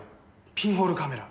ピンホールカメラ。